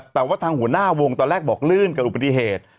แต่ว่าทางหัวหน้าวงตอนแรกบอกลื่นกับอุบัติเหตุ